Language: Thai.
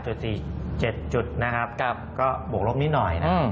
ขายที่๑๕๗๔๔๗จุดนะครับก็บวกลบนิดหน่อยนะครับ